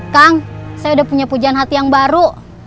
kang saya udah punya pujian hati yang baru